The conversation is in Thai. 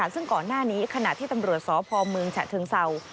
ซึ่งก่อนหน้านี้ขณะที่ตำรวจสพเมืองฉะเชิงเศร้า